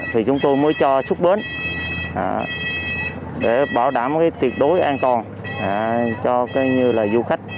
thì chúng tôi mới cho súc bến để bảo đảm tiệt đối an toàn cho du khách